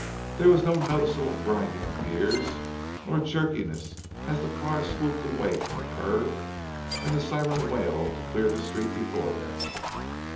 There was no noticeable grinding of gears nor jerkiness as the car swooped away from the curb, and the siren wailed to clear the street before them.